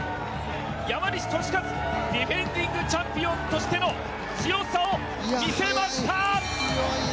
山西利和ディフェンディングチャンピオンとしての強さを見せました！